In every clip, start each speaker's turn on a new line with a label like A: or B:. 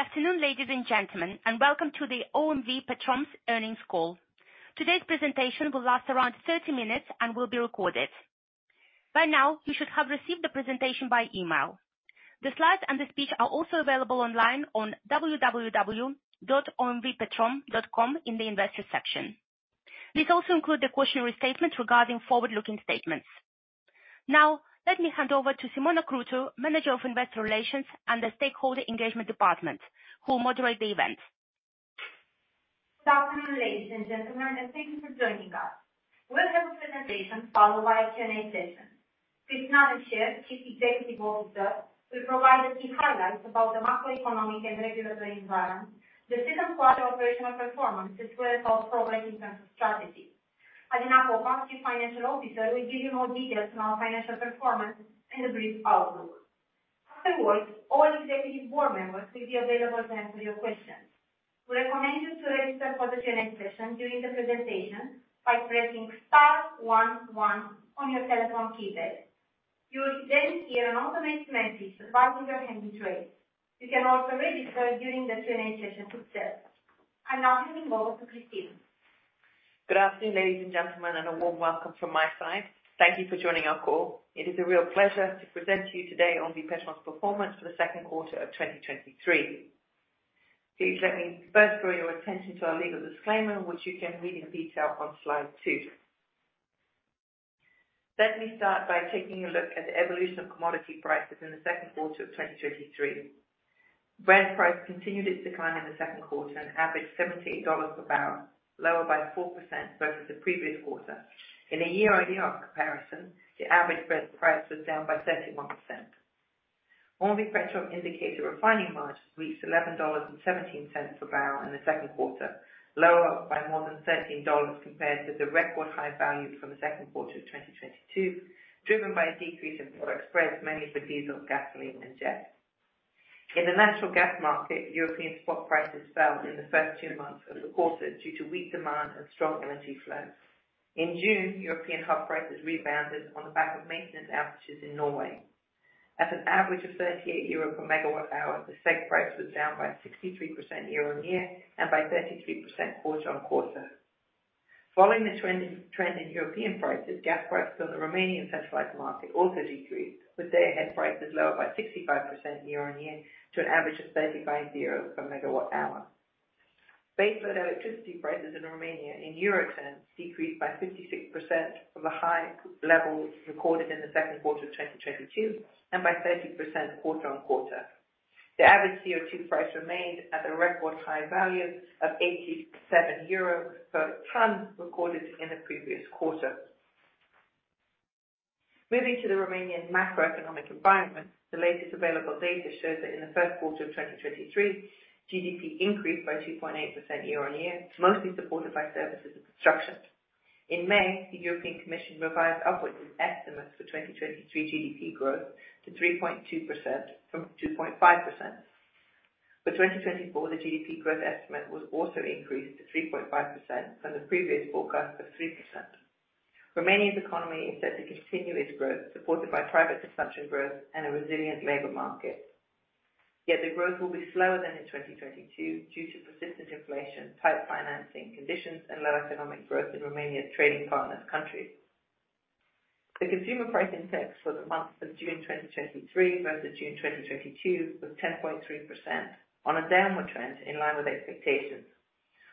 A: Good afternoon, ladies and gentlemen, and welcome to the OMV Petrom's earnings call. Today's presentation will last around 30 minutes and will be recorded. By now, you should have received the presentation by email. The slides and the speech are also available online on www.omvpetrom.com in the Investor Section. These also include the cautionary statement regarding forward-looking statements. Now, let me hand over to Simona Crutu, Manager of Investor Relations and the Stakeholder Engagement Department, who will moderate the event.
B: Good afternoon, ladies and gentlemen, and thank you for joining us. We'll have a presentation followed by a Q&A session. Christina Verchere, Chief Executive Officer, will provide the key highlights about the macroeconomic and regulatory environment, the second quarter operational performance, as well as our progress in terms of strategy. Alina Popa, Chief Financial Officer, will give you more details on our financial performance and a brief outlook. Afterwards, all executive board members will be available to answer your questions. We recommend you to register for the Q&A session during the presentation by pressing star one one on your telephone keypad. You will hear an automated message providing your hand to raise. You can also register during the Q&A session itself. I now hand it over to Christina.
C: Good afternoon, ladies and gentlemen, and a warm welcome from my side. Thank you for joining our call. It is a real pleasure to present to you today OMV Petrom's performance for the secon quarter of 2023. Please let me first draw your attention to our legal disclaimer, which you can read in detail on slide two. Let me start by taking a look at the evolution of commodity prices in the second quarter of 2023. Brent price continued its decline in the second quarter and averaged $78 per bbl, lower by 4% versus the previous quarter. In a year-on-year comparison, the average Brent price was down by 31%. OMV Petrom indicator refining margin reached $11.17 per bbl in the second quarter, lower by more than $13 compared to the record high values from the second quarter of 2022, driven by a decrease in product spreads, mainly for diesel, gasoline, and jet. In the natural gas market, European spot prices fell in the first two months of the quarter due to weak demand and strong energy flows. In June, European hub prices rebounded on the back of maintenance outages in Norway. At an average of 38 euro per MWh, the CEGH price was down by 63% year-on-year and by 33% quarter-on-quarter. Following the trend in European prices, gas prices on the Romanian centralized market also decreased, with day-ahead prices lower by 65% year-on-year to an average of 35 per MWh. Base load electricity prices in Romania, in euro terms, decreased by 56% from the high levels recorded in the second quarter of 2022 and by 30% quarter-on-quarter. The average CO2 price remained at the record high value of 87 euro per ton recorded in the previous quarter. Moving to the Romanian macroeconomic environment, the latest available data shows that in the first quarter of 2023, GDP increased by 2.8% year-on-year, mostly supported by services and construction. In May, the European Commission revised upwards its estimates for 2023 GDP growth to 3.2% from 2.5%. For 2024, the GDP growth estimate was also increased to 3.5% from the previous forecast of 3%. Romania's economy is set to continue its growth, supported by private consumption growth and a resilient labor market. Yet the growth will be slower than in 2022 due to persistent inflation, tight financing conditions, and low economic growth in Romania's trading partners' countries. The Consumer Price Index for the month of June 2023 versus June 2022 was 10.3% on a downward trend, in line with expectations.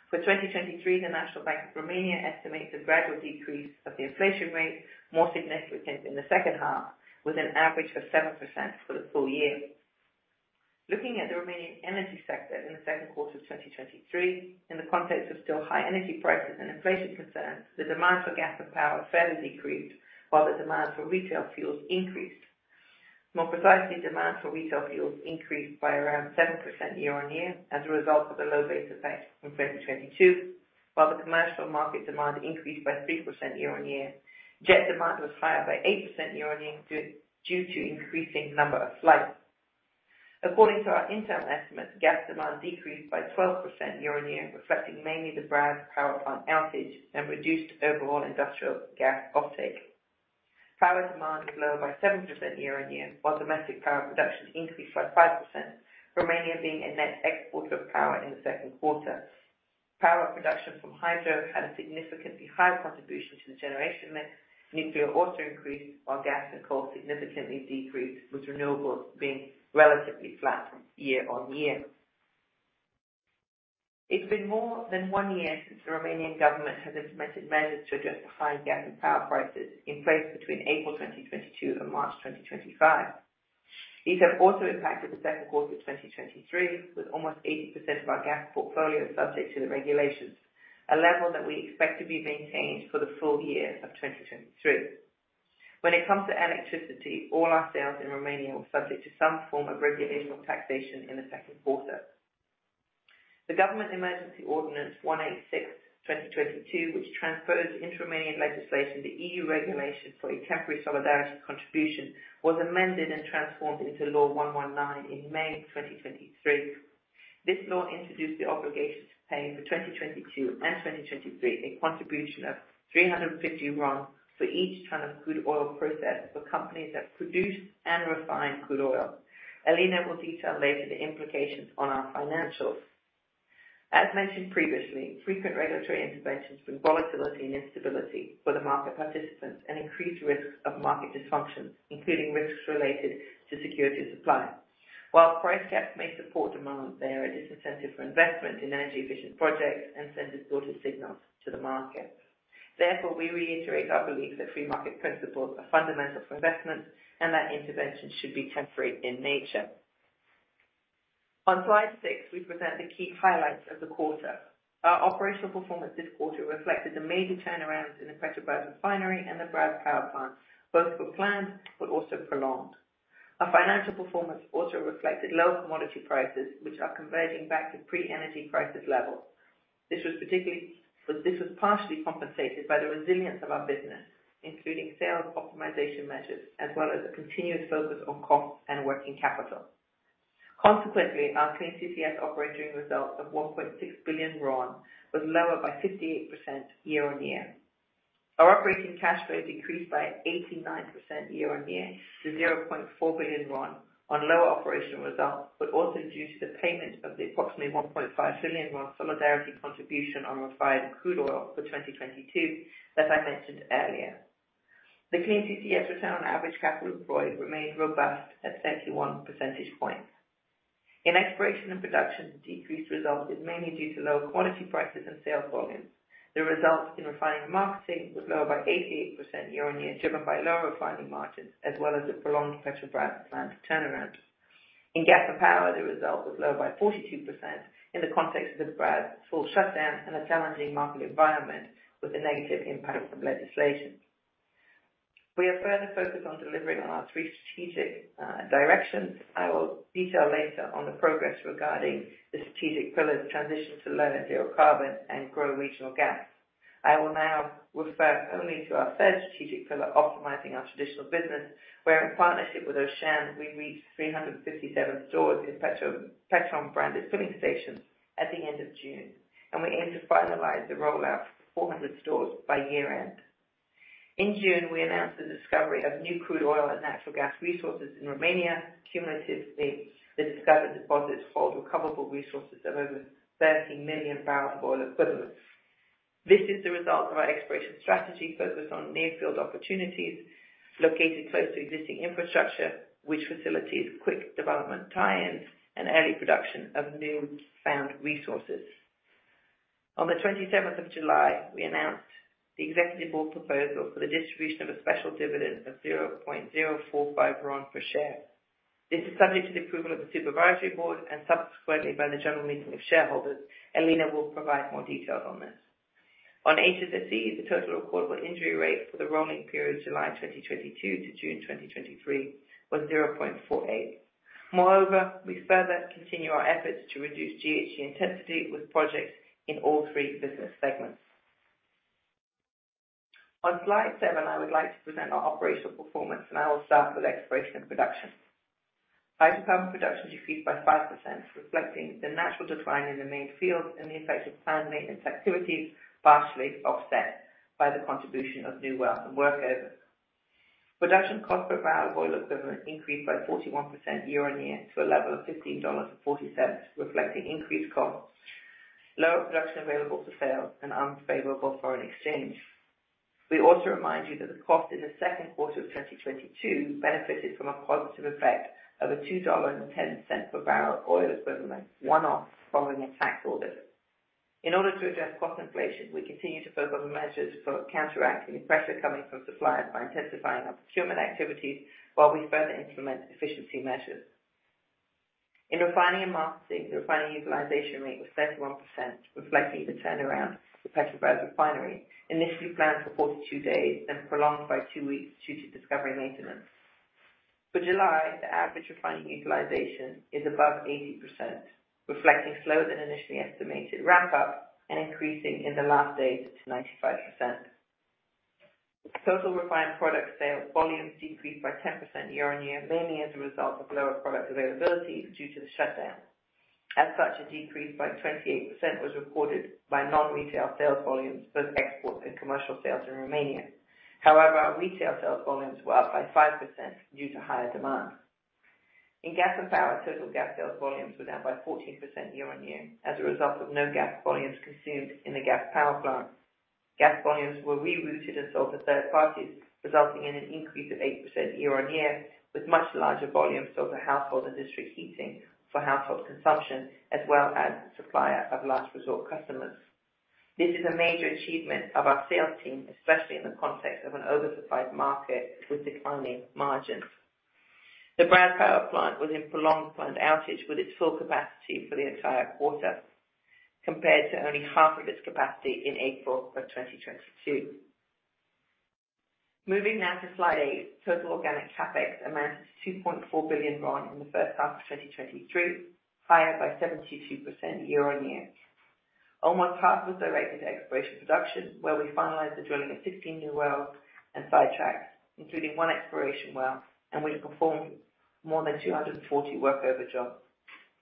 C: For 2023, the National Bank of Romania estimates a gradual decrease of the inflation rate, more significant in the second half, with an average of 7% for the full year. Looking at the Romanian energy sector in the second quarter of 2023, in the context of still high energy prices and inflation concerns, the demand for gas and power fairly decreased, while the demand for retail fuels increased. More precisely, demand for retail fuels increased by around 7% year-on-year as a result of the low base effect from 2022. While the commercial market demand increased by 3% year-on-year, jet demand was higher by 8% year-on-year due to increasing number of flights. According to our internal estimates, gas demand decreased by 12% year-on-year, reflecting mainly the Brazi Power Plant outage and reduced overall industrial gas offtake. Power demand is lower by 7% year-on-year, while domestic power production increased by 5%, Romania being a net exporter of power in the second quarter. Power production from hydro had a significantly higher contribution to the generation mix. Nuclear also increased, while gas and coal significantly decreased, with renewables being relatively flat year-on-year. It's been more than one year since the Romanian government has implemented measures to address the high gas and power prices in place between April 2022 and March 2025. These have also impacted the second quarter of 2023, with almost 80% of our gas portfolio subject to the regulations, a level that we expect to be maintained for the full year of 2023. When it comes to electricity, all our sales in Romania were subject to some form of regulation or taxation in the second quarter. The Government Emergency Ordinance 186/2022, which transposed into Romanian legislation, the EU regulation for a temporary solidarity contribution, was amended and transformed into Law 119/2023 in May of 2023. This law introduced the obligation to pay for 2022 and 2023, a contribution of RON 350 for each ton of crude oil processed for companies that produce and refine crude oil. Alina will detail later the implications on our financials. As mentioned previously, frequent regulatory interventions bring volatility and instability for the market participants and increased risks of market dysfunction, including risks related to security of supply. While price caps may support demand, they are a disincentive for investment in energy efficient projects and send distorted signals to the market. Therefore, we reiterate our belief that free market principles are fundamental for investment and that intervention should be temporary in nature. On slide six, we present the key highlights of the quarter. Our operational performance this quarter reflected the major turnarounds in the Petrobrazi Refinery and the Brazi Power Plant, both were planned but also prolonged. Our financial performance also reflected low commodity prices, which are converging back to pre-energy crisis levels. This was partially compensated by the resilience of our business, including sales optimization measures, as well as a continuous focus on costs and working capital. Consequently, our Clean CCS Operating Result of RON 1.6 billion was lower by 58% year-on-year. Our operating cash flow decreased by 89% year-on-year to RON 0.4 billion on lower operational results, but also due to the payment of the approximately RON 1.5 billion solidarity contribution on refined crude oil for 2022, that I mentioned earlier. The Clean CCS Return on Average Capital Employed remained robust at 31 percentage points. In Exploration & Production, decreased results is mainly due to lower quality prices and sales volumes. The results in Refining and Marketing was lower by 88% year-on-year, driven by lower refining margins, as well as the prolonged Petrobrazi Plant turnaround. In gas and power, the result was lower by 42% in the context of the Brazi full shutdown and a challenging market environment with a negative impact from legislation. We are further focused on delivering on our three strategic directions. I will detail later on the progress regarding the strategic pillars transition to low and zero carbon and grow regional gas. I will now refer only to our third strategic pillar, optimizing our traditional business, where in partnership with Auchan, we reached 357 stores in Petrom branded filling stations at the end of June, and we aim to finalize the rollout of 400 stores by year-end. In June, we announced the discovery of new crude oil and natural gas resources in Romania. Cumulatively, the discovered deposits hold recoverable resources of over 13 million bbl of oil equivalent. This is the result of our exploration strategy focused on near field opportunities located close to existing infrastructure, which facilitates quick development tie-ins and early production of new found resources. On the 27th of July, we announced the executive board proposal for the distribution of a special dividend of RON 0.045 per share. This is subject to the approval of the supervisory board and subsequently by the general meeting of shareholders, and Alina will provide more details on this. On HSSE, the total recordable injury rate for the rolling period, July 2022 to June 2023, was 0.48. Moreover, we further continue our efforts to reduce GHG intensity with projects in all three business segments. On slide seven, I would like to present our operational performance, and I will start with exploration and production. Hydrocarbon production decreased by 5%, reflecting the natural decline in the main fields and the effect of planned maintenance activities, partially offset by the contribution of new wells and workovers. Production cost per barrel of oil equivalent increased by 41% year-on-year to a level of $15.40, reflecting increased costs, lower production available for sale and unfavorable foreign exchange. We also remind you that the cost in the second quarter of 2022 benefited from a positive effect of a $2.10 per bbl of oil equivalent, one-off following a tax audit. In order to address cost inflation, we continue to focus on measures for counteracting the pressure coming from suppliers by intensifying our procurement activities while we further implement efficiency measures. In refining and marketing, the refining utilization rate was 31%, reflecting the turnaround for Petrobrazi Refinery, initially planned for 42 days, then prolonged by two weeks due to discovery maintenance. For July, the average refining utilization is above 80%, reflecting slower than initially estimated ramp-up and increasing in the last days to 95%. Total refined product sale volumes decreased by 10% year-on-year, mainly as a result of lower product availability due to the shutdown. As such, a decrease by 28% was recorded by non-retail sales volumes, both export and commercial sales in Romania. Our retail sales volumes were up by 5% due to higher demand. In gas and power, total gas sales volumes were down by 14% year-on-year as a result of no gas volumes consumed in the gas power plant. Gas volumes were rerouted and sold to third parties, resulting in an increase of 8% year-on-year, with much larger volumes sold to household and district heating for household consumption, as well as Supplier of Last Resort customers. This is a major achievement of our sales team, especially in the context of an oversupplied market with declining margins. The Brazi Power Plant was in prolonged plant outage, with its full capacity for the entire quarter, compared to only half of its capacity in April of 2022. Moving now to slide eight. Total organic CapEx amounts to RON 2.4 billion in the first half of 2023, higher by 72% year-on-year. Almost half was related to Exploration Production, where we finalized the drilling of 16 new wells and sidetracks, including 1 exploration well, and we performed more than 240 workover jobs.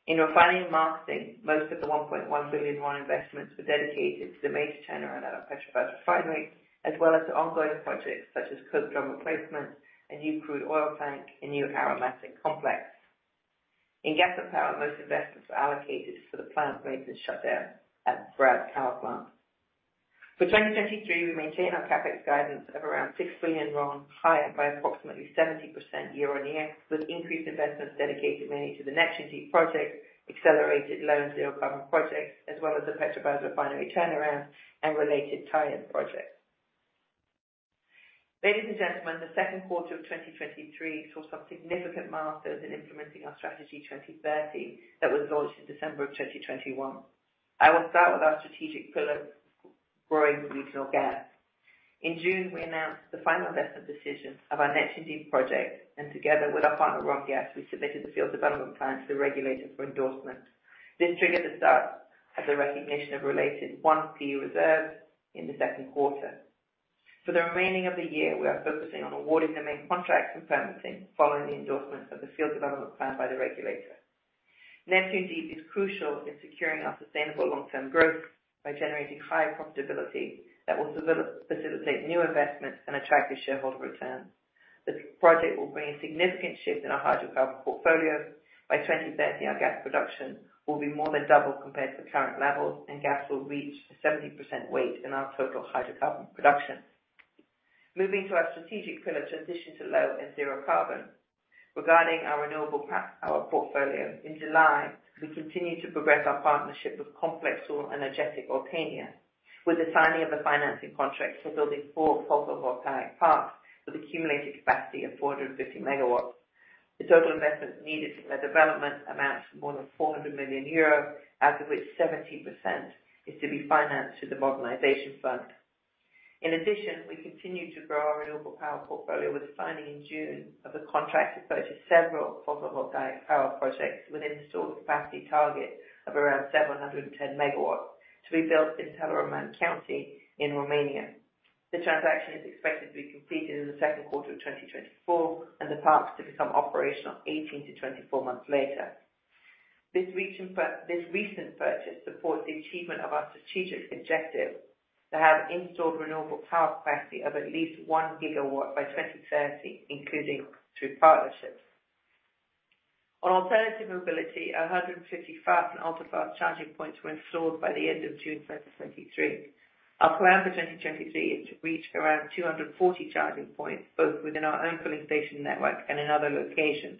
C: In refining and marketing, most of the RON 1.1 billion investments were dedicated to the major turnaround at our Petrobrazi Refinery, as well as to ongoing projects such as coke drum replacement, a new crude oil tank, and new aromatic complex. In gas and power, most investments are allocated for the plant maintenance shutdown at Brazi Power Plant. For 2023, we maintain our CapEx guidance of around RON 6 billion, higher by approximately 70% year-on-year, with increased investments dedicated mainly to the Neptun Deep Project, accelerated low and zero carbon projects, as well as the Petrobrazi Refinery turnaround and related tie-in projects. Ladies and gentlemen, the second quarter of 2023 saw some significant milestones in implementing our Strategy 2030, that was launched in December of 2021. I will start with our strategic pillar, growing regional gas. In June, we announced the final investment decision of our Neptun Deep Project. Together with our partner, Romgaz, we submitted the field development plan to the regulator for endorsement. This triggered the start of the recognition of related 1P reserves in the second quarter. For the remaining of the year, we are focusing on awarding the main contract commencing following the endorsement of the field development plan by the regulator. Neptun Deep is crucial in securing our sustainable long-term growth by generating higher profitability that will facilitate new investments and attractive shareholder returns. This project will bring a significant shift in our hydrocarbon portfolio. By 2030, our gas production will be more than double compared to current levels. Gas will reach 70% weight in our total hydrocarbon production. Moving to our strategic pillar, transition to low and zero carbon. Regarding our renewable power portfolio, in July, we continued to progress our partnership with Complexul Energetic Oltenia, with the signing of a financing contract for building four photovoltaic parks with accumulated capacity of 450 MW. The total investment needed for their development amounts to more than 400 million euros, out of which 70% is to be financed through the Modernization Fund. In addition, we continue to grow our renewable power portfolio with the signing in June of a contract to purchase several photovoltaic power projects with installed capacity target of around 710 MW, to be built in Teleorman County in Romania. The transaction is expected to be completed in the second quarter of 2024, and the parks to become operational 18-24 months later. This recent purchase supports the achievement of our strategic objective to have installed renewable power capacity of at least 1 GW by 2030, including through partnerships. On alternative mobility, 155 ultra-fast charging points were installed by the end of June 2023. Our plan for 2023 is to reach around 240 charging points, both within our own filling station network and in other locations.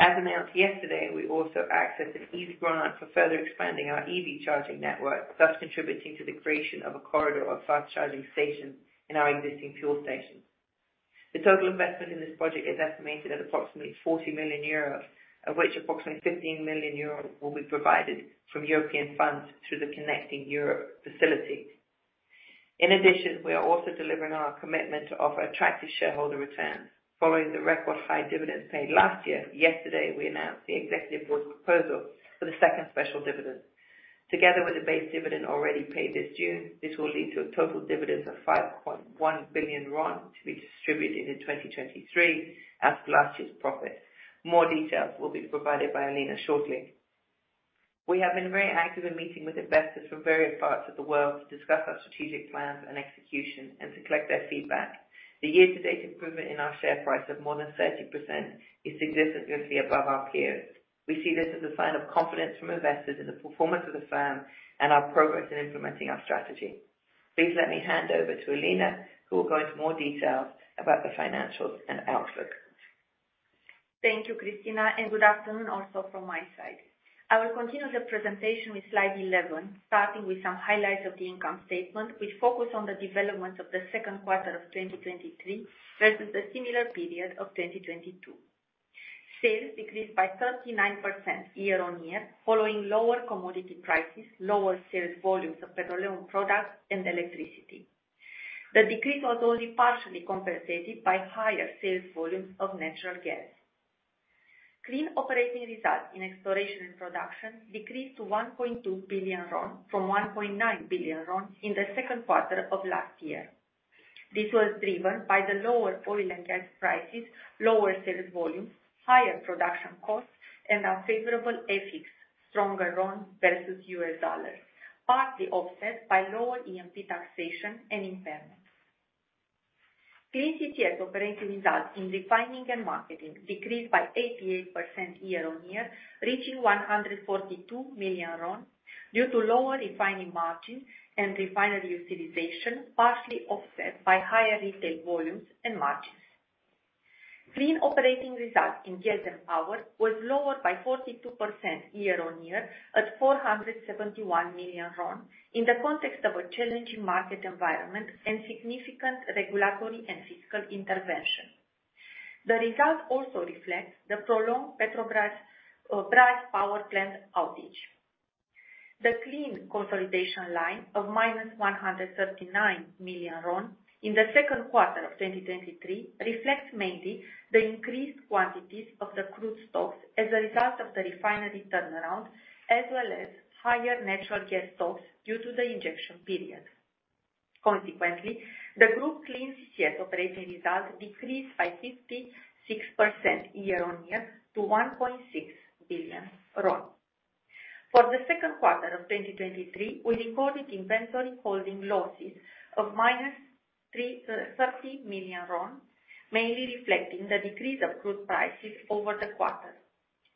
C: As announced yesterday, we also accessed an EU grant for further expanding our EV charging network, thus contributing to the creation of a corridor of fast-charging stations in our existing fuel stations. The total investment in this project is estimated at approximately 40 million euros, of which approximately 15 million euros will be provided from European funds through the Connecting Europe Facility. In addition, we are also delivering on our commitment to offer attractive shareholder returns. Following the record high dividends paid last year, yesterday, we announced the executive board's proposal for the second special dividend. Together with the base dividend already paid this June, this will lead to a total dividend of RON 5.1 billion to be distributed in 2023 as last year's profit. More details will be provided by Alina shortly. We have been very active in meeting with investors from various parts of the world to discuss our strategic plans and execution, and to collect their feedback. The year-to-date improvement in our share price of more than 30% is significantly above our peers. We see this as a sign of confidence from investors in the performance of the firm and our progress in implementing our strategy. Please let me hand over to Alina, who will go into more detail about the financials and outlook.
D: Thank you, Christina. Good afternoon also from my side. I will continue the presentation with slide 11, starting with some highlights of the income statement, which focus on the developments of the second quarter of 2023 versus the similar period of 2022. Sales decreased by 39% year-on-year, following lower commodity prices, lower sales volumes of petroleum products and electricity. The decrease was only partially compensated by higher sales volumes of natural gas. Clean operating results in exploration and production decreased to RON 1.2 billion from RON 1.9 billion in the second quarter of last year. This was driven by the lower oil and gas prices, lower sales volumes, higher production costs, and unfavorable FX, stronger RON versus the US dollar, partly offset by lower E&P taxation and impairments. Clean CCS Operating Result in refining and marketing decreased by 88% year-on-year, reaching RON 142 million, due to lower refining margins and refinery utilization, partially offset by higher retail volumes and margins. Clean operating results in gas and power was lower by 42% year-on-year, at RON 471 million, in the context of a challenging market environment and significant regulatory and fiscal intervention. The results also reflect the prolonged Petrobrazi power plant outage. The clean Consolidation line of -RON 139 million in the second quarter 2023 reflects mainly the increased quantities of the crude stocks as a result of the refinery turnaround, as well as higher natural gas stocks due to the injection period. Consequently, the group Clean CCS Operating Result decreased by 56% year-on-year to RON 1.6 billion. For the second quarter of 2023, we recorded inventory holding losses of -RON 30 million, mainly reflecting the decrease of crude prices over the quarter.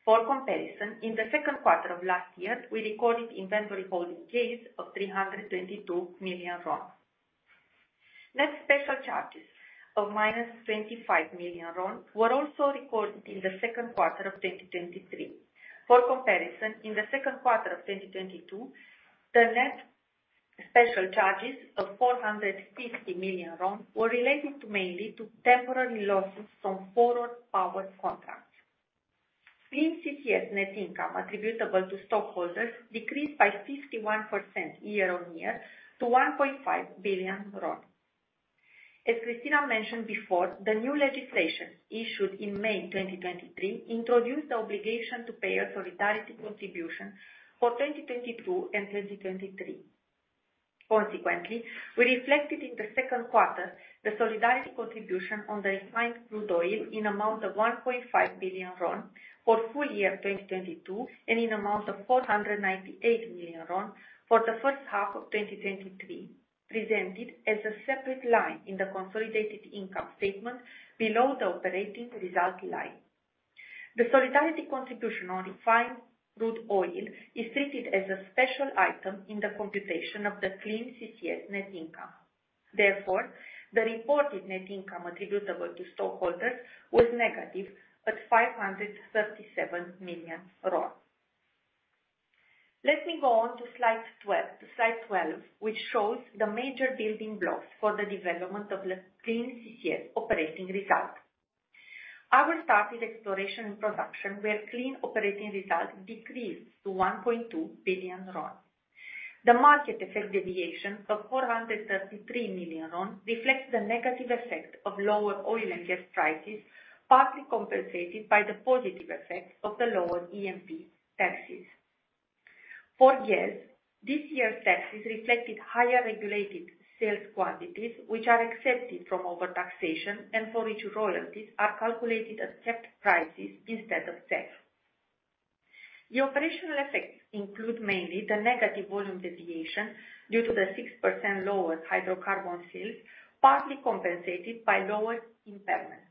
D: For comparison, in the second quarter of last year, we recorded inventory holding gains of RON 322 million. Net special charges of -RON 25 million were also recorded in the second quarter of 2023. For comparison, in the second quarter of 2022, the net special charges of RON 450 million were related mainly to temporary losses from forward power contracts. Clean CCS Net Income attributable to stockholders decreased by 51% year-on-year to RON 1.5 billion. As Christina mentioned before, the new legislation, issued in May 2023, introduced the obligation to pay a solidarity contribution for 2022 and 2023. We reflected in the second quarter the solidarity contribution on the refined crude oil in amount of RON 1.5 billion for full year 2022, and in amount of RON 498 million for the first half of 2023, presented as a separate line in the consolidated income statement below the operating result line. The solidarity contribution on refined crude oil is treated as a special item in the computation of the Clean CCS Net Income. The reported net income attributable to stockholders was negative at RON 537 million. Let me go on to slide 12. Slide 12, which shows the major building blocks for the development of the Clean CCS Operating Result. I will start with Exploration & Production, where clean operating results decreased to RON 1.2 billion. The market effect deviation of RON 433 million reflects the negative effect of lower oil and gas prices, partly compensated by the positive effect of the lower E&P taxes. For gas, this year's taxes reflected higher regulated sales quantities, which are excepted from overtaxation, and for which royalties are calculated at capped prices instead of tax. The operational effects include mainly the negative volume deviation due to the 6% lower hydrocarbon sales, partly compensated by lower impairments.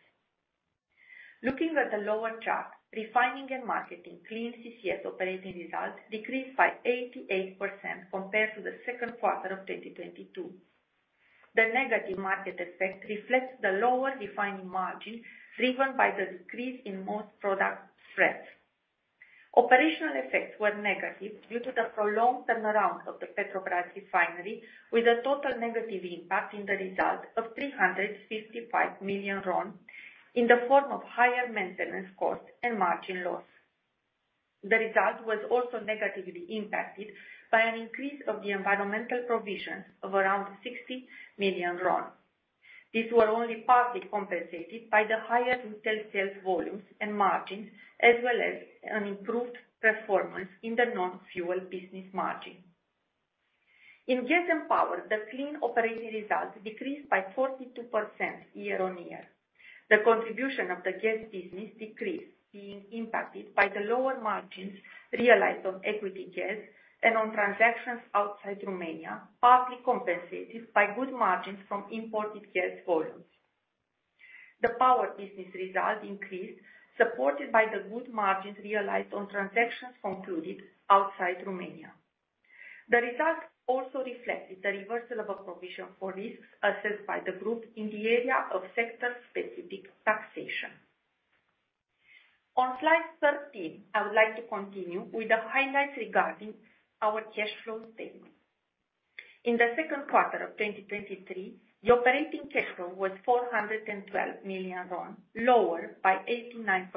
D: Looking at the lower chart, Refining & Marketing Clean CCS Operating Result decreased by 88% compared to the second quarter of 2022. The negative market effect reflects the lower refining margin, driven by the decrease in most product spreads. Operational effects were negative due to the prolonged turnaround of the Petrobrazi Refinery, with a total negative impact in the result of RON 355 million, in the form of higher maintenance costs and margin loss. The result was also negatively impacted by an increase of the environmental provisions of around RON 60 million. These were only partly compensated by the higher retail sales volumes and margins, as well as an improved performance in the non-fuel business margin. In gas and power, the clean operating results decreased by 42% year-on-year. The contribution of the gas business decreased, being impacted by the lower margins realized on equity gas and on transactions outside Romania, partly compensated by good margins from imported gas volumes. The power business result increased, supported by the good margins realized on transactions concluded outside Romania. The results also reflected the reversal of a provision for risks assessed by the group in the area of sector-specific taxation. On slide 13, I would like to continue with the highlights regarding our cash flow statement. In the second quarter of 2023, the operating cash flow was RON 412 million, lower by 89%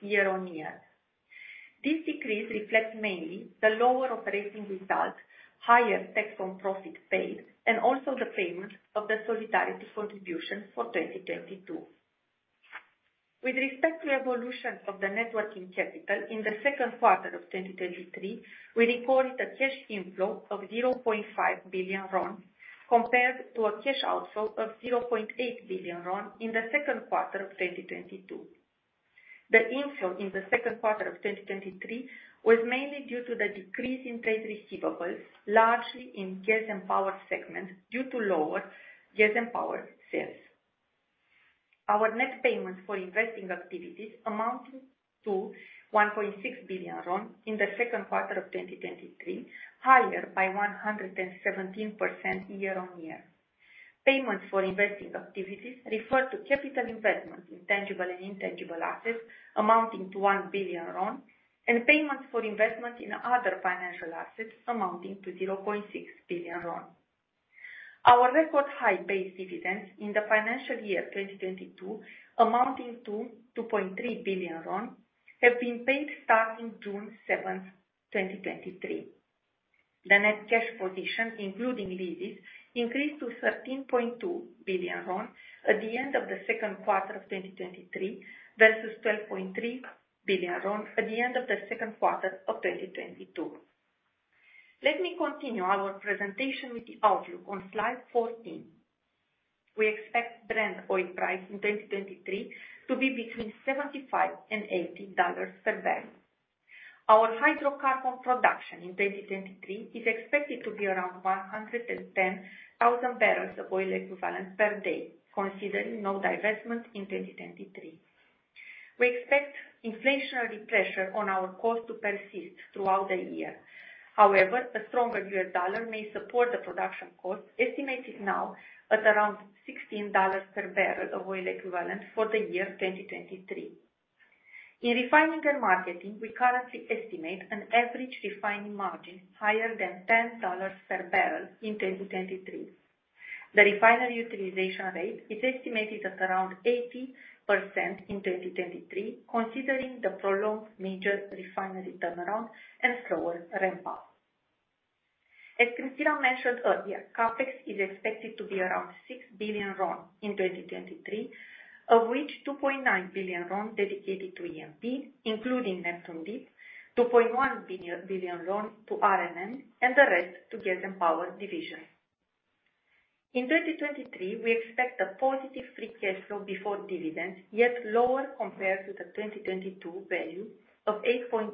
D: year-on-year. This decrease reflects mainly the lower operating results, higher tax on profit paid, and also the payment of the solidarity contribution for 2022. With respect to evolution of the net working capital in the second quarter of 2023, we recorded a cash inflow of RON 0.5 billion, compared to a cash outflow of RON 0.8 billion in the second quarter of 2022. The inflow in the second quarter of 2023 was mainly due to the decrease in trade receivables, largely in gas and power segment, due to lower gas and power sales. Our net payments for investing activities amounted to RON 1.6 billion in the second quarter of 2023, higher by 117% year-on-year. Payments for investing activities refer to capital investments in tangible and intangible assets amounting to RON 1 billion, and payments for investments in other financial assets amounting to RON 0.6 billion. Our record high base dividends in the financial year 2022, amounting to RON 2.3 billion, have been paid starting June 7, 2023. The net cash position, including leases, increased to RON 13.2 billion at the end of the second quarter of 2023, versus RON 12.3 billion at the end of the second quarter of 2022. Let me continue our presentation with the outlook on slide 14. We expect Brent oil price in 2023 to be between $75-$80 per bbl. Our hydrocarbon production in 2023 is expected to be around 110,000 bbl of oil equivalent per day, considering no divestment in 2023. However, a stronger US dollar may support the production cost, estimated now at around $16 per bbl of oil equivalent for the year 2023. In refining and marketing, we currently estimate an average refining margin higher than $10 per bbl in 2023. The refinery utilization rate is estimated at around 80% in 2023, considering the prolonged major refinery turnaround and slower ramp up. As Christina mentioned earlier, CapEx is expected to be around RON 6 billion in 2023, of which RON 2.9 billion dedicated to E&P, including Neptun Deep, RON 2.1 billion to R&M, and the rest to Gas and Power division. In 2023, we expect a positive free cash flow before dividends, yet lower compared to the 2022 value of RON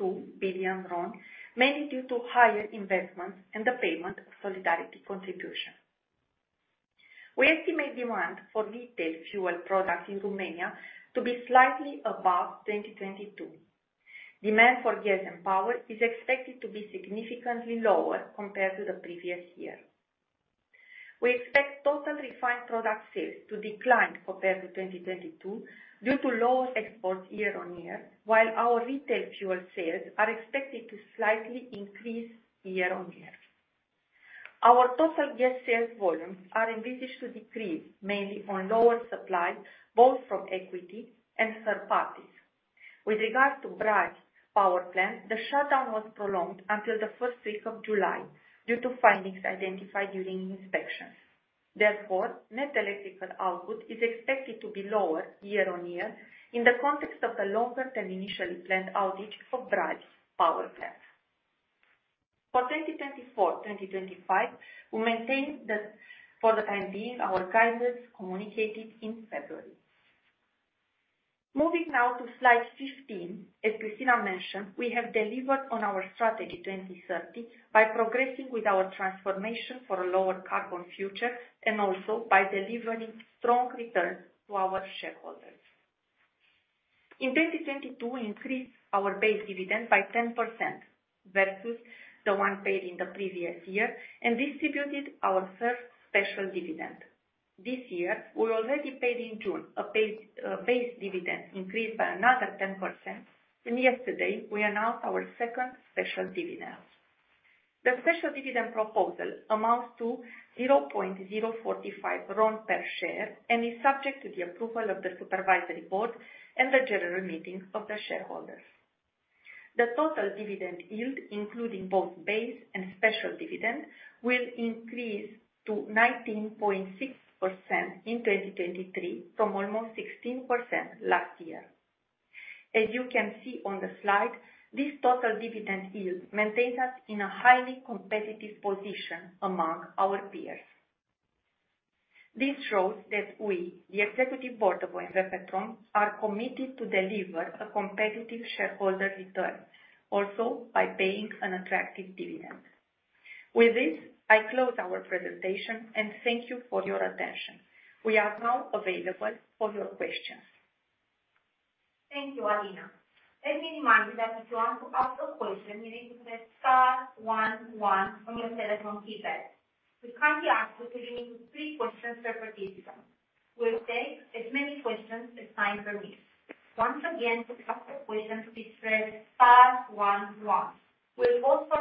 D: 8.2 billion, mainly due to higher investments and the payment of solidarity contribution. We estimate demand for retail fuel products in Romania to be slightly above 2022. Demand for gas and power is expected to be significantly lower compared to the previous year. We expect total refined product sales to decline compared to 2022, due to lower exports year-on-year, while our retail fuel sales are expected to slightly increase year-on-year. Our total gas sales volumes are envisaged to decrease, mainly on lower supply, both from equity and third parties. With regards to Brazi Power Plant, the shutdown was prolonged until the first week of July due to findings identified during inspections. Therefore, net electrical output is expected to be lower year-on-year in the context of the longer than initially planned outage for Brazi Power Plant. For 2024-2025, we maintain the, for the time being, our guidance communicated in February. Moving now to slide 15, as Christina mentioned, we have delivered on our Strategy 2030 by progressing with our transformation for a lower carbon future, and also by delivering strong returns to our shareholders. In 2022, we increased our base dividend by 10% versus the one paid in the previous year and distributed our first special dividend. This year, we already paid in June a base, base dividend increase by another 10%, and yesterday we announced our second special dividend. The special dividend proposal amounts to RON 0.045 per share and is subject to the approval of the supervisory board and the general meeting of the shareholders. The total dividend yield, including both base and special dividend, will increase to 19.6% in 2023 from almost 16% last year. As you can see on the slide, this total dividend yield maintains us in a highly competitive position among our peers. This shows that we, the Executive Board of OMV Petrom, are committed to deliver a competitive shareholder return, also by paying an attractive dividend. With this, I close our presentation, and thank you for your attention. We are now available for your questions.
A: Thank you, Alina. Let me remind you that if you want to ask a question, you need to press star one one on your telephone keypad. We kindly ask you to limit to three questions per participant. We'll take as many questions as time permits. Once again, to ask a question, please press star one one. We'll also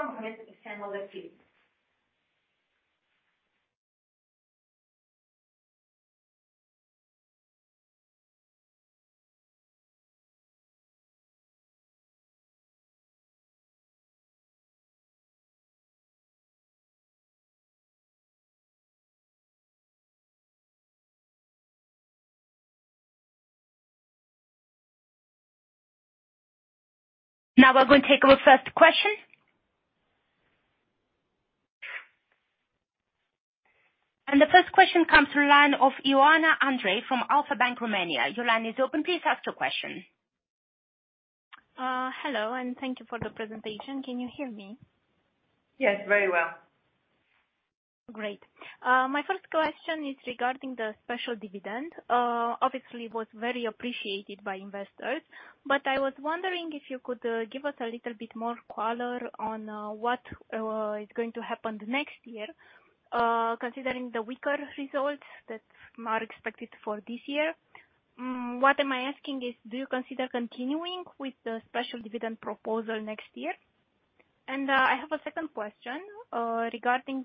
A: permit external participants. Now we're going to take our first question. The first question comes through line of Ioana Andrei from Alpha Bank Romania. Your line is open. Please ask your question.
E: Hello, and thank you for the presentation. Can you hear me?
C: Yes, very well.
E: Great. My first question is regarding the special dividend. Obviously, it was very appreciated by Investors, but I was wondering if you could give us a little bit more color on what is going to happen next year, considering the weaker results that are expected for this year. What am I asking is, do you consider continuing with the special dividend proposal next year? I have a second question regarding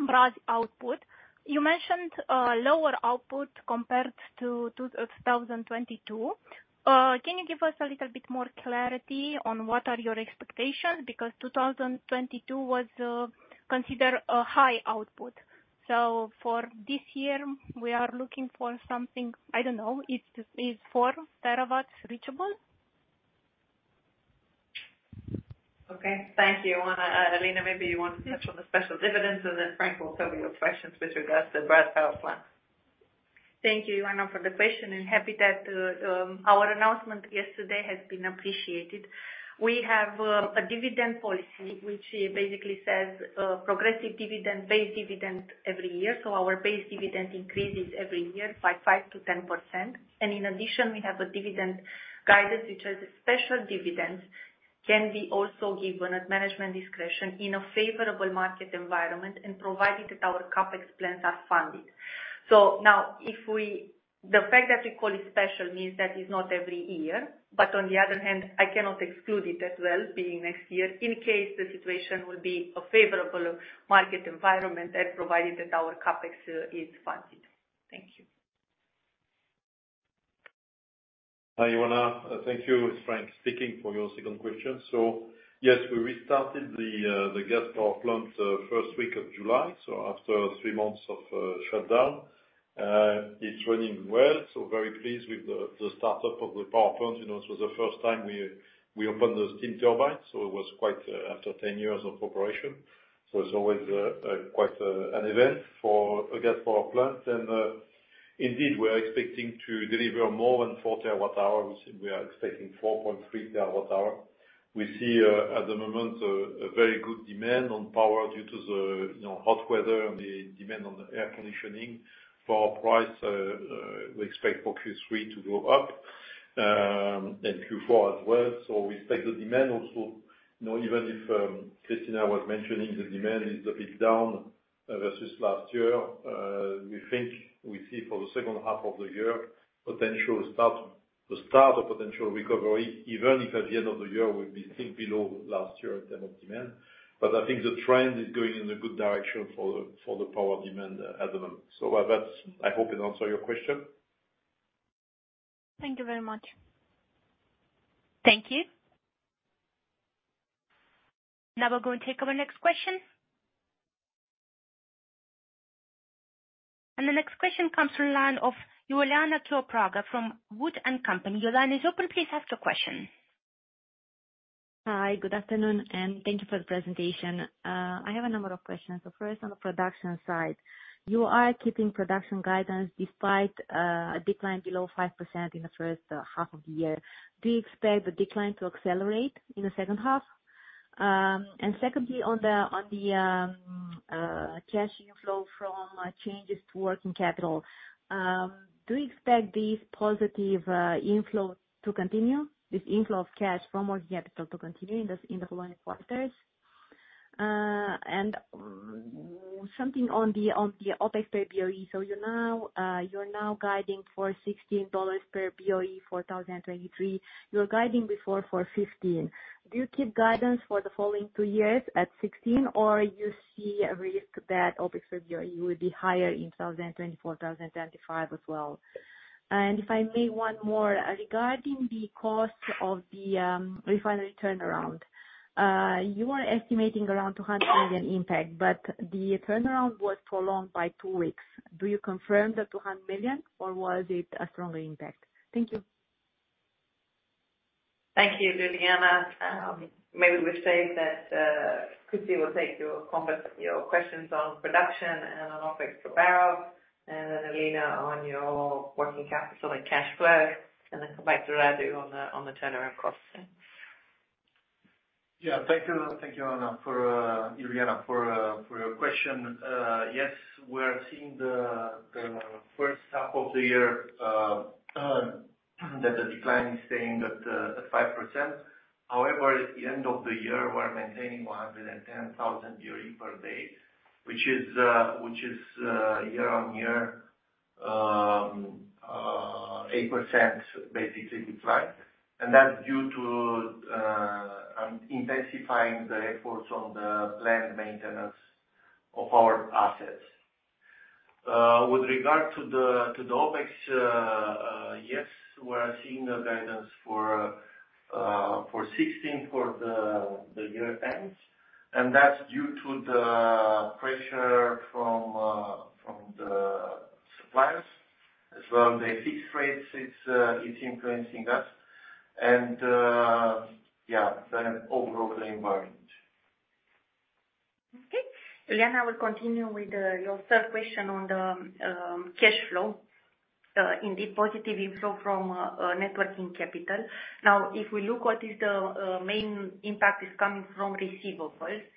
E: Brazi output. You mentioned lower output compared to 2022. Can you give us a little bit more clarity on what are your expectations? Because 2022 was considered a high output. For this year, we are looking for something, I don't know, is 4 TW reachable?
C: Okay, thank you, Ioana. Alina, maybe you want to touch on the special dividends, and then Frank will cover your questions with regards to the Brazi Power Plant.
D: Thank you, Ioana, for the question, and happy that our announcement yesterday has been appreciated. We have a dividend policy which basically says, progressive dividend, base dividend every year. Our base dividend increases every year by 5%-10%. In addition, we have a dividend guidance, which is special dividends can be also given at management discretion in a favorable market environment and provided that our CapEx plans are funded. Now, if we-- the fact that we call it special means that it's not every year, but on the other hand, I cannot exclude it as well, being next year, in case the situation will be a favorable market environment and provided that our CapEx is funded. Thank you.
F: Hi, Ioana. Thank you, it's Frank speaking, for your second question. Yes, we restarted the gas power plant first week of July. After three months of shutdown, it's running well, so very pleased with the startup of the power plant. You know, it was the first time we opened the steam turbine, so it was quite after 10 years of operation. It's always quite an event for a gas power plant. Indeed, we're expecting to deliver more than 4 TWh. We are expecting 4.3 TWh. We see at the moment a very good demand on power due to the, you know, hot weather and the demand on the air conditioning. For our price, we expect for Q3 to go up and Q4 as well. We expect the demand also, you know, even if Christina was mentioning, the demand is a bit down versus last year. We think we see for the second half of the year, the start of potential recovery, even if at the end of the year, we'll be still below last year in terms of demand. I think the trend is going in a good direction for the, for the power demand at the moment. That's. I hope it answer your question.
E: Thank you very much.
A: Thank you. Now we're going to take our next question. The next question comes from line of Iuliana Ciopraga from WOOD & Company. Iuliana, is open, please ask your question.
G: Hi, good afternoon, thank you for the presentation. I have a number of questions. First, on the production side, you are keeping production guidance despite a decline below 5% in the 1st half of the year. Do you expect the decline to accelerate in the second half? Secondly, on the, on the cash inflow from changes to working capital, do you expect this positive inflow to continue, this inflow of cash from working capital to continue in the following quarters? Something on the, on the OpEx per BOE. You're now guiding for $16 per BOE for 2023. You were guiding before for $15. Do you keep guidance for the following two years at 16, or you see a risk that OpEx per BOE will be higher in 2024, 2025 as well? If I may, one more. Regarding the cost of the refinery turnaround, you were estimating around RON 200 million impact, but the turnaround was prolonged by two weeks. Do you confirm the RON 200 million, or was it a stronger impact? Thank you.
C: Thank you, Iuliana. Maybe we say that Cristi will take your comment, your questions on production and on OpEx per barrel, and then Alina on your working capital and cash flow, and then come back to Radu on the, on the turnaround costs.
H: Yeah. Thank you. Thank you, Ioana Andrei, for... Iuliana Ciopraga, for your question. Yes, we're seeing the, the first half of the year, that the decline is staying at 5%. However, at the end of the year, we're maintaining 110,000 BOE per day, which is, which is year-on-year, 8% basically decline. That's due to intensifying the efforts on the planned maintenance of our assets. With regard to the, to the OpEx, yes, we are seeing a guidance for RON 16 for the, the year ends, and that's due to the pressure from the suppliers as well. The fixed rates it's influencing us and, yeah, the overall environment.
D: Okay. Iuliana, I will continue with your third question on the cash flow. Indeed, positive inflow from networking capital. Now, if we look what is the main impact is coming from receivables.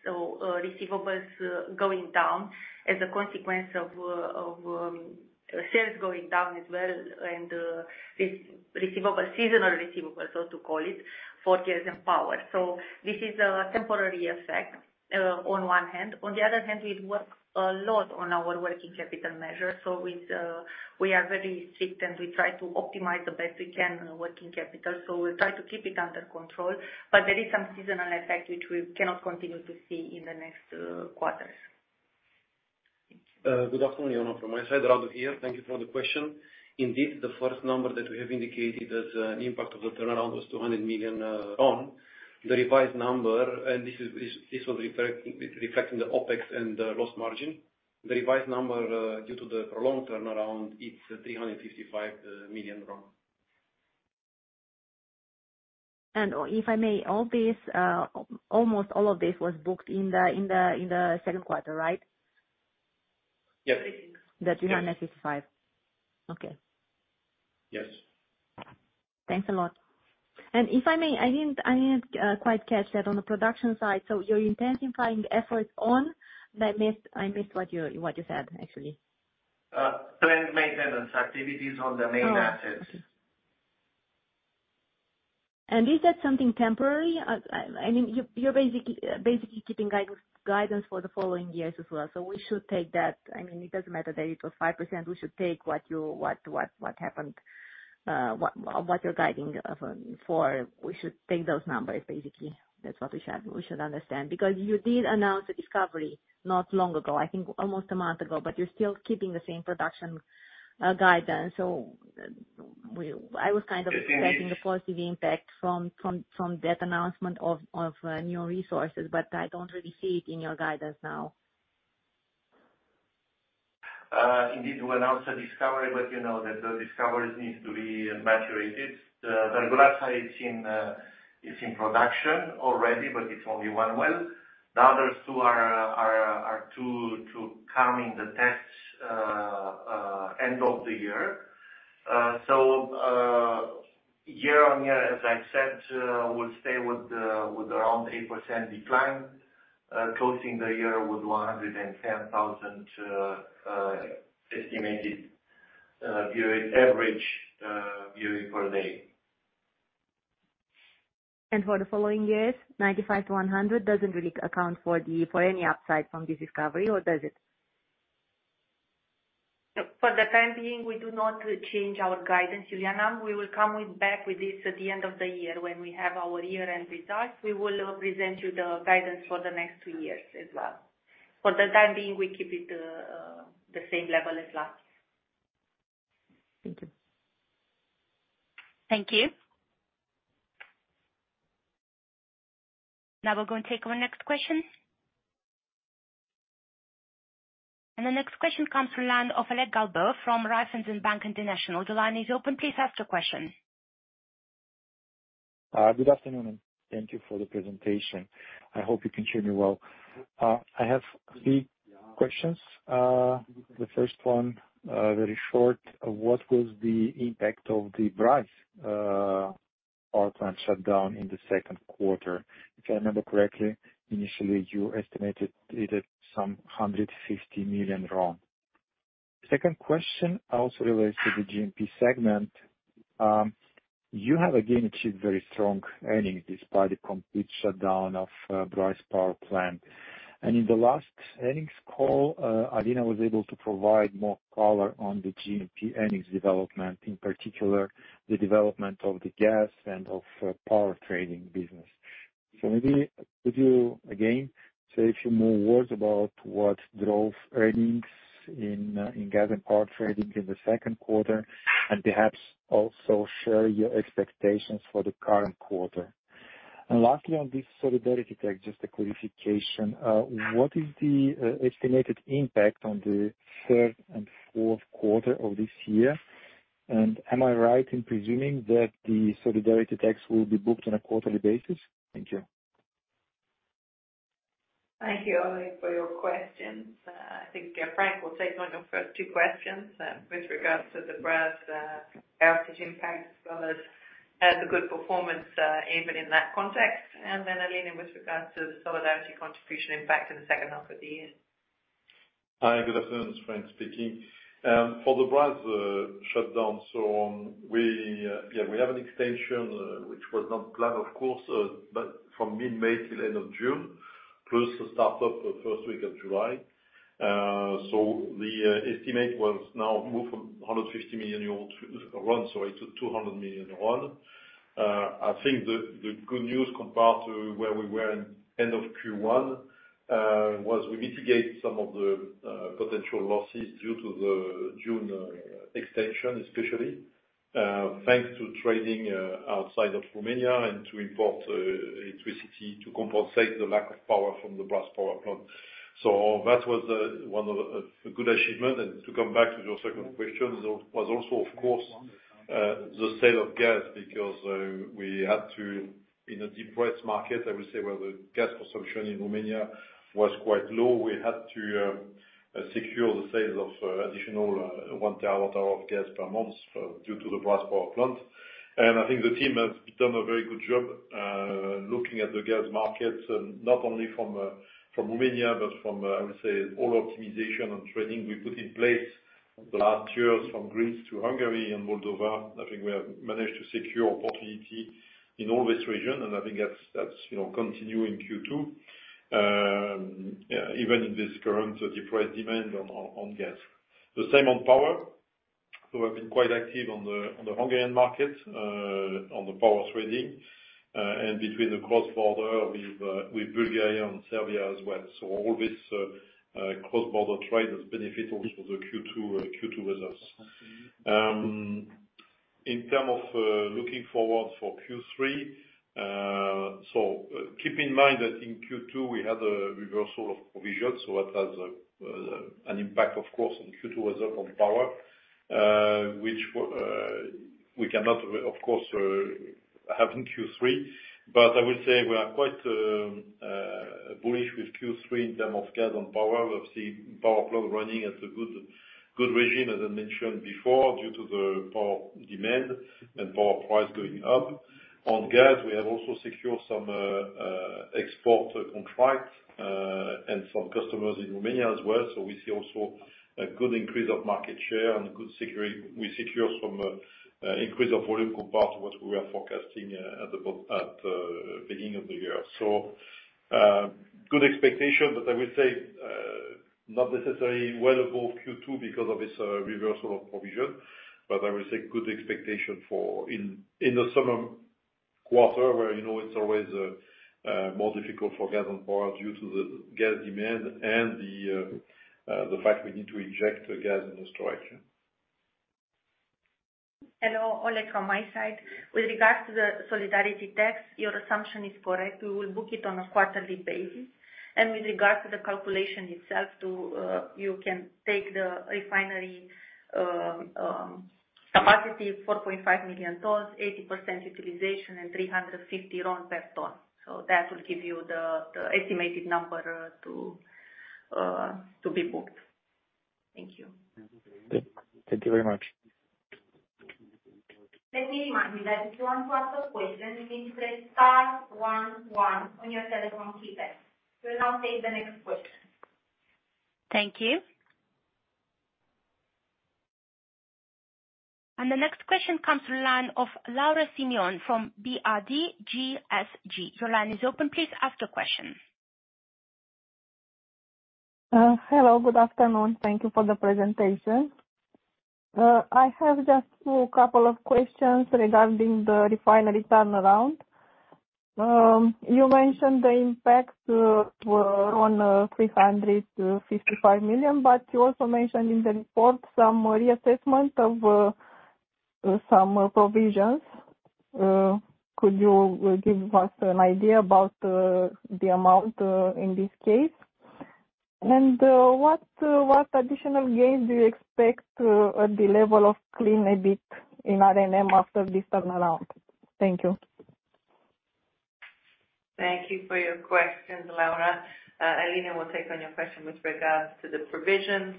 D: Receivables going down as a consequence of of sales going down as well, and this receivable, seasonal receivable, so to call it, for gas and power. This is a temporary effect on one hand. On the other hand, we work a lot on our working capital measure, so it's we are very strict, and we try to optimize the best we can working capital. We try to keep it under control, but there is some seasonal effect which we cannot continue to see in the next quarters.
I: Good afternoon, Iuliana, from my side. Radu here. Thank you for the question. Indeed, the first number that we have indicated as an impact of the turnaround was 200 million RON. The revised number, and this is, this, this was reflecting the OpEx and the loss margin. The revised number, due to the prolonged turnaround, it's RON 355 million.
G: If I may, all this, almost all of this was booked in the, in the, in the second quarter, right?
I: Yes.
G: The RON 355. Okay.
I: Yes.
G: Thanks a lot. If I may, I didn't, I didn't quite catch that on the production side. You're intensifying efforts on? I missed, I missed what you, what you said, actually.
H: Planned maintenance activities on the main assets.
G: Is that something temporary? I, I mean, you're, you're basically, basically keeping guidance, guidance for the following years as well. We should take that. I mean, it doesn't matter that it was 5%, we should take what you-- what, what, what happened, what, what you're guiding for, we should take those numbers basically. That's what we should, we should understand. You did announce a discovery not long ago, I think almost a month ago, but you're still keeping the same production, guidance. We- I was kind of expecting the positive impact from, from, from that announcement of, of, new resources, but I don't really see it in your guidance now.
H: Uh, indeed, we announced a discovery, but you know that the discovery needs to be maturated. The, the glass height is in, uh, is in production already, but it's only one well. The other two are, are, are to, to come in the tests, uh, uh, end of the year. Uh, so, uh, year on year, as I said, uh, we'll stay with, uh, with around eight percent decline, uh, closing the year with one hundred and ten thousand, uh, uh, estimated, uh, viewing average, uh, viewing per day.
G: For the following years, 95-100 doesn't really account for any upside from this discovery, or does it?
D: For the time being, we do not change our guidance, Juliana. We will come with back with this at the end of the year, when we have our year-end results. We will present you the guidance for the next two years as well. For the time being, we keep it, the same level as last.
G: Thank you.
A: Thank you. Now we're going to take our next question. The next question comes from the line of Oleg Galbur from Raiffeisen Bank International. The line is open. Please ask your question.
J: Good afternoon, and thank you for the presentation. I hope you can hear me well. I have three questions. The first one, very short. What was the impact of the Brazi Power Plant shutdown in the second quarter? If I remember correctly, initially you estimated it at some RON 150 million. Second question also relates to the G&P segment. You have again achieved very strong earnings, despite the complete shutdown of Brazi Power Plant. In the last earnings call, Alina was able to provide more color on the GMP earnings development, in particular, the development of the gas and of power trading business. Maybe could you, again, say a few more words about what drove earnings in gas and power trading in the second quarter, and perhaps also share your expectations for the current quarter? Lastly, on this solidarity tax, just a clarification, what is the estimated impact on the third and fourth quarter of this year? Am I right in presuming that the solidarity tax will be booked on a quarterly basis? Thank you.
C: Thank you, Oleg, for your questions. I think Frank will take on your first 2 questions with regards to the Brazi outage impact, as well as the good performance even in that context. Then Alina, with regards to the Solidarity Contribution impact in the second half of the year.
F: Hi, good afternoon, Frank speaking. For the Brazi shutdown, we have an extension which was not planned, of course, but from mid-May till end of June, plus the start of the first week of July. The estimate was now moved from 150 million euros to RON, sorry, to RON 200 million. I think the good news compared to where we were in end of Q1, was we mitigate some of the potential losses due to the June extension, especially thanks to trading outside of Romania and to import electricity to compensate the lack of power from the Brazi Power Plant. That was one of a good achievement. To come back to your second question, there was also, of course, the sale of gas, because we had to, in a depressed market, I would say, where the gas consumption in Romania was quite low. We had to secure the sale of additional 1 TWh of gas per month, due to the Brazi Power Plant. I think the team has done a very good job looking at the gas markets, not only from Romania, but from, I would say, all optimization and trading we put in place the last years from Greece to Hungary and Moldova. I think we have managed to secure opportunity in all this region, I think that's, that's, you know, continuing Q2. Yeah, even in this current depressed demand on, on, on gas. The same on power, we've been quite active on the, on the Hungarian market, on the power trading, and between the cross-border with, with Bulgaria and Serbia as well. All this cross-border trade has benefited for the Q2, Q2 with us. In term of looking forward for Q3, keep in mind that in Q2 we had a reversal of provisions, that has an impact, of course, on Q2 as well on power.... which we cannot, of course, have in Q3. I will say we are quite bullish with Q3 in terms of gas and power. We've seen power plant running at a good, good regime, as I mentioned before, due to the power demand and power price going up. On gas, we have also secured some export contracts and some customers in Romania as well. We see also a good increase of market share and good security. We secure some increase of volume compared to what we are forecasting at the beginning of the year. Good expectation, but I would say, not necessarily well above Q2 because of this reversal of provision, but I would say good expectation for in, in the summer quarter, where, you know, it's always more difficult for gas and power due to the gas demand and the fact we need to inject the gas in the storage.
D: Hello, Oleg on my side. With regards to the solidarity tax, your assumption is correct. We will book it on a quarterly basis, and with regards to the calculation itself, you can take the refinery capacity 4.5 million tons, 80% utilization and 350 RON per ton. That will give you the estimated number to be booked. Thank you.
J: Thank you very much.
A: Let me remind you that if you want to ask a question, you need to press star one, one on your telephone keypad. We'll now take the next question. Thank you. The next question comes through line of Laura Simion from BRD GSG. Your line is open. Please ask your question.
K: Hello, good afternoon. Thank you for the presentation. I have just two couple of questions regarding the refinery turnaround. You mentioned the impact were around RON 355 million, but you also mentioned in the report some reassessment of some provisions. Could you give us an idea about the amount in this case? What additional gain do you expect at the level of clean EBIT in R&M after this turnaround? Thank you.
C: Thank you for your questions, Laura. Alina will take on your question with regards to the provisions,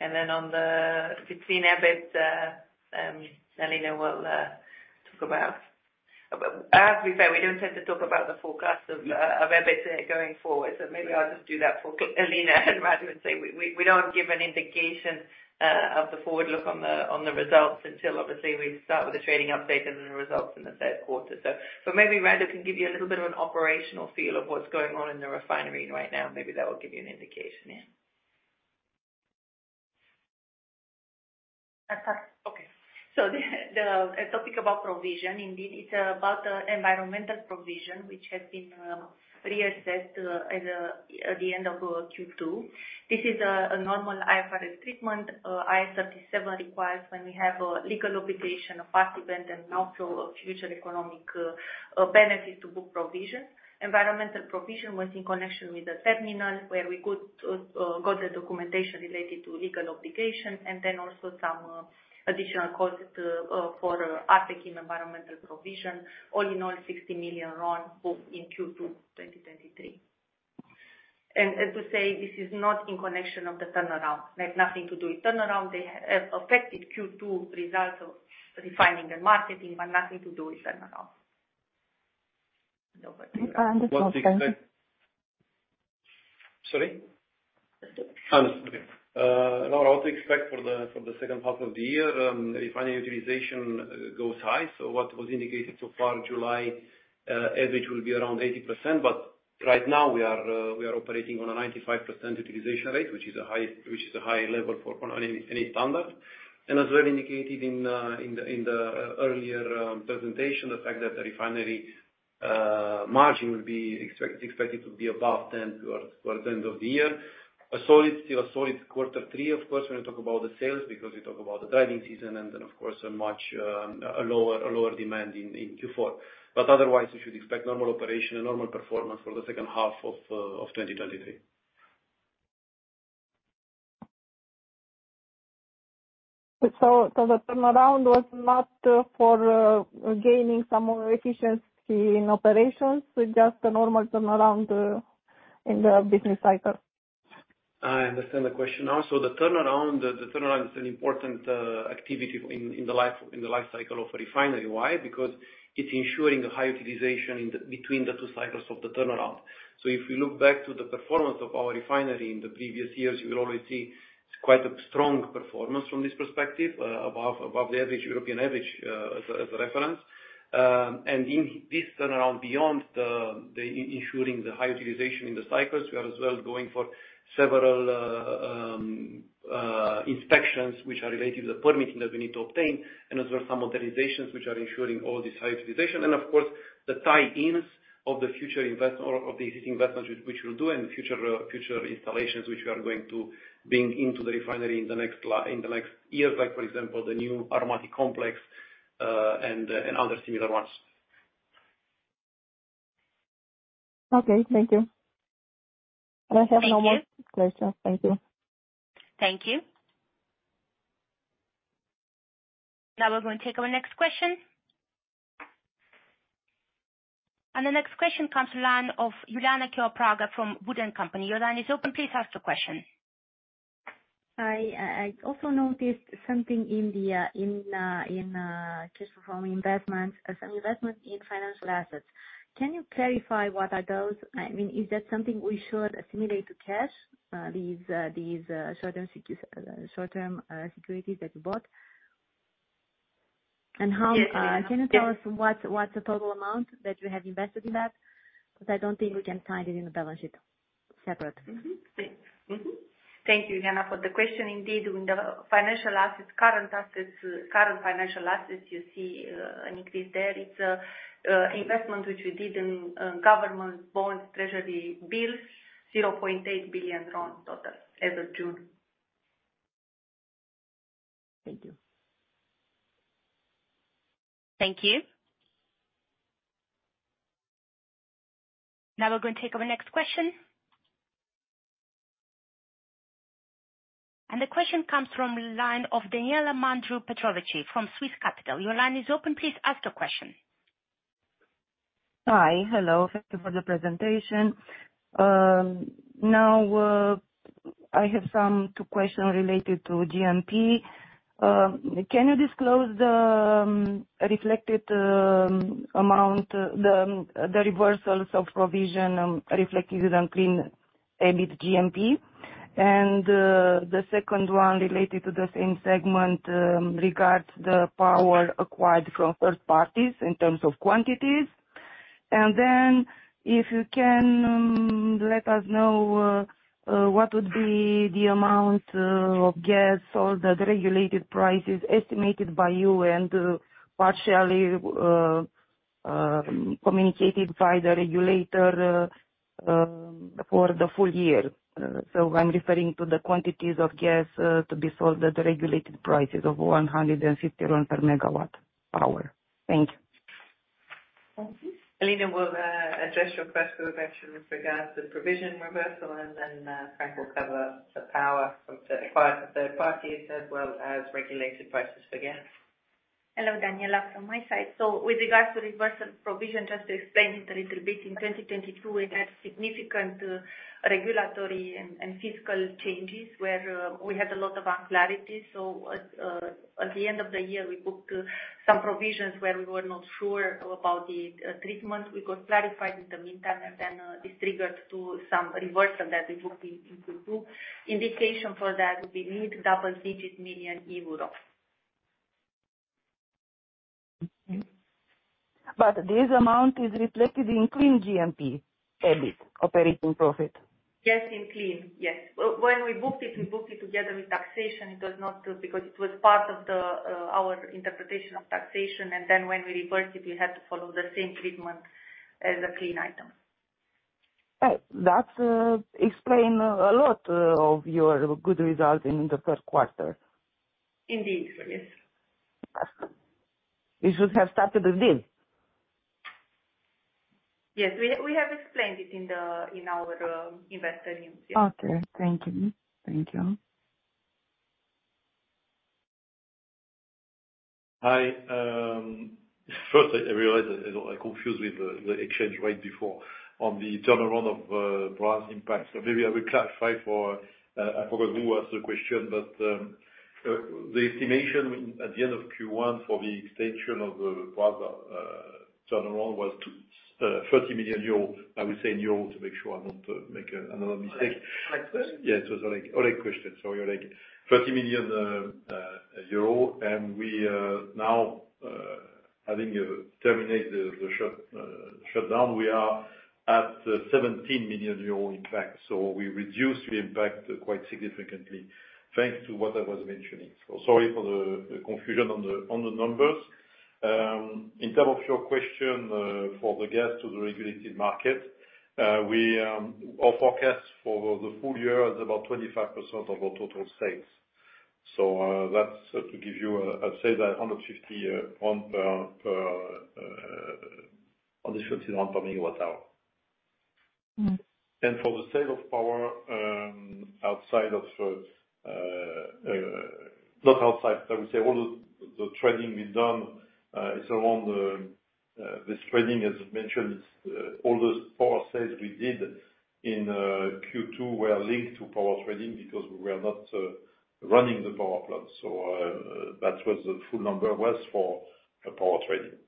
C: and then on the between EBIT, Alina will talk about. To be fair, we don't tend to talk about the forecast of EBIT going forward, so maybe I'll just do that for Alina and Radu and say, we don't give an indication of the forward look on the results until obviously we start with the trading update and the results in the third quarter. Maybe Radu can give you a little bit of an operational feel of what's going on in the refinery right now. Maybe that will give you an indication. Yeah.
D: Okay. The the topic about provision, indeed, it's about the environmental provision, which has been reassessed at the end of Q2. This is a normal IFRS treatment. IAS 37 requires when we have a legal obligation, a past event, and outflow of future economic benefit to book provision. Environmental provision was in connection with the terminal, where we could got the documentation related to legal obligation, and then also some additional costs for other team environmental provision. All in all, RON 60 million booked in Q2, 2023. As we say, this is not in connection of the turnaround. Like, nothing to do with turnaround. They have affected Q2 results of refining and marketing, but nothing to do with turnaround.
K: That's okay.
I: Sorry? Okay. Laura, what to expect for the second half of the year, refinery utilization goes high. What was indicated so far in July, average will be around 80%, but right now we are operating on a 95% utilization rate, which is a high, which is a high level for on any, any standard. As well indicated in the earlier presentation, the fact that the refinery margin will be expected to be above 10 toward the end of the year. A solid, still a solid Q3, of course, when you talk about the sales, because you talk about the driving season and then, of course, a much lower demand in Q4. Otherwise, you should expect normal operation and normal performance for the second half of 2023.
K: The turnaround was not for gaining some more efficiency in operations, it's just a normal turnaround in the business cycle?
I: I understand the question now. The turnaround, the turnaround is an important activity in, in the life, in the life cycle of a refinery. Why? Because it's ensuring a high utilization between the two cycles of the turnaround. If you look back to the performance of our refinery in the previous years, you will already see it's quite a strong performance from this perspective, above, above the average, European average, as a, as a reference. In this turnaround, beyond the, the ensuring the high utilization in the cycles, we are as well going for several inspections, which are related to the permitting that we need to obtain, and as well, some modernizations, which are ensuring all this high utilization. Of course, the tie-ins of the future invest or of the existing investments which we'll do, and future, future installations, which we are going to bring into the refinery in the next in the next years. Like, for example, the new aromatic complex and other similar ones.
K: Okay, thank you. I have no more question. Thank you.
A: Thank you. Now we're going to take our next question. The next question comes to line of Iuliana Ciopraga from WOOD & Company. Your line is open, please ask the question.
G: I, I also noticed something in the cash performing investment, some investment in financial assets. Can you clarify what are those? I mean, is that something we should assimilate to cash, these short-term securities that you bought? How can you tell us what, what's the total amount that you have invested in that? Because I don't think we can find it in the balance sheet separate.
D: Thank you, Iuliana, for the question. Indeed, in the financial assets, current assets, current financial assets, you see an increase there. It's investment which we did in government bonds, treasury bills, RON 0.8 billion total, as of June.
G: Thank you.
A: Thank you. Now we're going to take our next question. The question comes from line of Daniela Mandru Petrovici from Swiss Capital. Your line is open, please ask the question.
L: Hi. Hello. Thank you for the presentation. Now, I have some two questions related to GMP. Can you disclose the reflected amount, the reversals of provision reflected on clean EBIT GMP? The second one related to the same segment regards the power acquired from third parties in terms of quantities. If you can let us know what would be the amount of gas or the regulated prices estimated by you and partially communicated by the regulator for the full year. I'm referring to the quantities of gas to be sold at the regulated prices of 150 RON per MW power. Thank you.
C: Thank you. Alina will address your first two questions with regards to provision reversal. Then Frank will cover the power from third parties, as well as regulated prices for gas. Hello, Daniela. From my side, with regards to reversal provision, just to explain it a little bit, in 2022, we had significant regulatory and fiscal changes, where we had a lot of unclarity. At the end of the year, we booked some provisions where we were not sure about the treatment. We got clarified in the meantime. Then this triggered some reversal that we booked in two. Indication for that would be mid-double digit million euro.
L: This amount is reflected in Clean GMP, EBIT operating profit?
D: Yes, in clean, yes. When we booked it, we booked it together with taxation. It was not Because it was part of the, our interpretation of taxation, and then when we reversed it, we had to follow the same treatment as a clean item.
L: Right. That, explain a lot, of your good results in the first quarter.
D: Indeed. Yes.
L: You should have started with this.
D: Yes, we, we have explained it in the, in our investor meeting.
L: Okay. Thank you. Thank you.
F: Hi. First, I realize I confused with the, the exchange rate before on the turnaround of Brazi impact. Maybe I will clarify for I forgot who asked the question, but the estimation at the end of Q1 for the extension of the Brazi turnaround was 30 million euros. I will say in euro to make sure I don't make another mistake.
L: [Alex.]
F: Yeah, it was [Alex. Alex question. Sorry, Alex.] 30 million euro, and we now having terminated the shutdown, we are at 17 million euro impact. We reduced the impact quite significantly, thanks to what I was mentioning. Sorry for the confusion on the numbers. In term of your question for the gas to the regulated market, we our forecast for the full year is about 25% of our total sales. That's to give you a, I'd say, the 150 RON per 150 RON per MW hour.
L: Mm-hmm.
F: For the sale of power, outside of, not outside, I would say all the, the trading we've done, is around the, this trading, as mentioned, all the power sales we did in Q2 were linked to power trading because we were not running the power plant. That was the full number was for the power trading.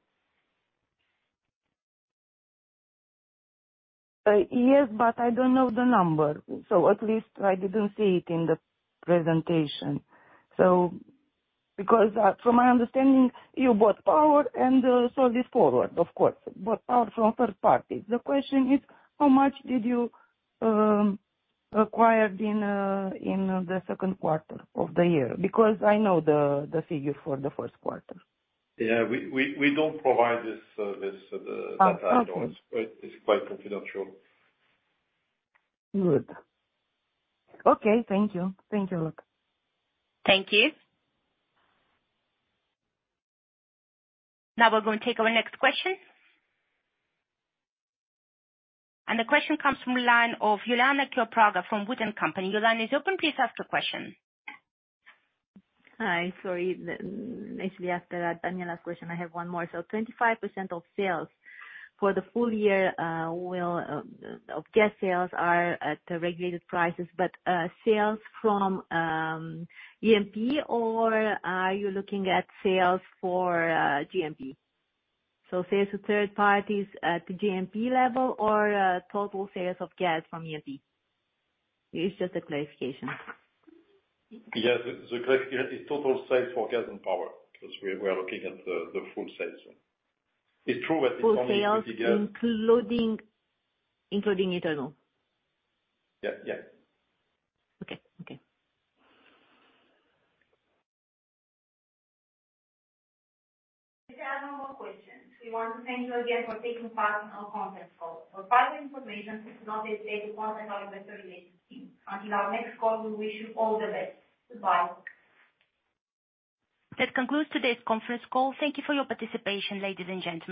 L: Yes, I don't know the number, so at least I didn't see it in the presentation. Because, from my understanding, you bought power and, sold it forward, of course, bought power from third party. The question is: how much did you, acquired in, in the second quarter of the year? Because I know the, the figure for the first quarter.
F: Yeah, we, we, we don't provide this, this, data.
L: Okay.
F: It's quite confidential.
L: Good. Okay. Thank you. Thank you, Luc.
A: Thank you. Now we're going to take our next question. The question comes from line of Iuliana Ciopraga from WOOD & Company. Your line is open, please ask the question.
G: Hi. Sorry. Actually, after Daniela's question, I have one more. 25% of sales for the full year will of gas sales, are at regulated prices, but sales from E&P, or are you looking at sales for GMP? Sales to third parties at the GMP level or total sales of gas from E&P? It's just a clarification.
F: Yeah, the yeah, the total sales for gas and power, because we are looking at the full sales. It's true that.
G: Full sales including, including internal?
F: Yeah. Yeah.
G: Okay. Okay.
B: If there are no more questions, we want to thank you again for taking part in our conference call. For further information, please do not hesitate to contact our investor relations team. Until our next call, we wish you all the best. Goodbye.
A: That concludes today's conference call. Thank you for your participation, ladies and gentlemen.